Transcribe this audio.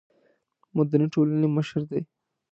مدني ټولنې مشر دی.